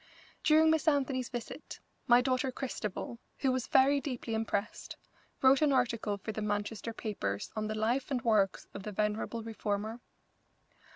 During Miss Anthony's visit my daughter Christabel, who was very deeply impressed, wrote an article for the Manchester papers on the life and works of the venerable reformer.